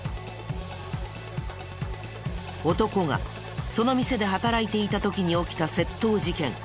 男がその店で働いていた時に起きた窃盗事件。